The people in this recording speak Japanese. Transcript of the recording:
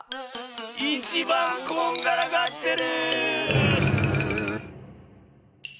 いちばんこんがらがってる！